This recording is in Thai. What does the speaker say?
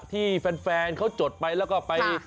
ที่แฟนเขาจดไปแล้วก็ไป